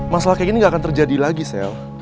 masalah kayak gini gak akan terjadi lagi cell